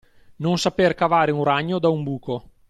Non saper cavare un ragno da un buco.